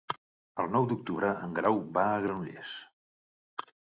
El nou d'octubre en Grau va a Granollers.